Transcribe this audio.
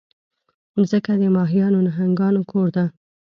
مځکه د ماهیانو، نهنګانو کور ده.